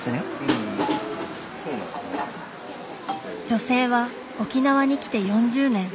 女性は沖縄に来て４０年。